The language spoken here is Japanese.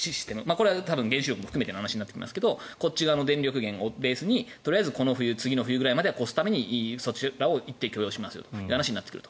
これは多分、原子力も含めての話になりますがこっち側の電力源をベースにとりあえず次の冬ぐらいまでは越すためにそちらを一定許容しますという話になってくる。